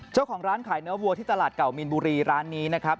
เจ้าของร้านขายเนื้อวัวที่ตลาดเก่ามีนบุรีร้านนี้นะครับ